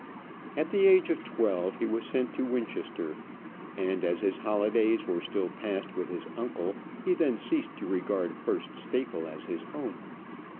At the age of twelve, he was sent to Winchester, and as his holidays were still passed with his uncle, he then ceased to regard Hurst Staple as his home.